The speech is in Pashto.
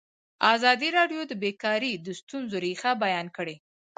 ازادي راډیو د بیکاري د ستونزو رېښه بیان کړې.